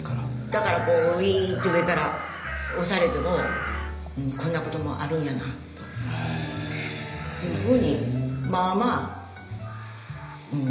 だからウイーッて上から押されてもこんなこともあるんやなというふうにまあまあうん。